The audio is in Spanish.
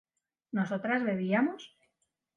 ¿nosotras bebíamos?